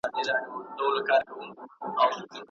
ایا ځايي کروندګر انځر ساتي؟